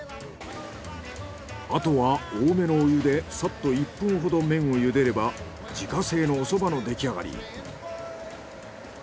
あとは多めのお湯でさっと１分ほど麺を茹でれば自家製のおそばのできあがり。